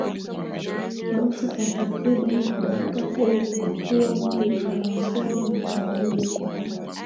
basi kwa takriban dakika kumi utakuwa nami mtatayarishaji na mtangazaji wako